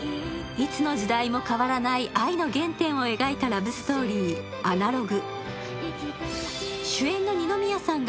いつの時代も変わらない愛の原点を描いたラブストーリー「アナログ」。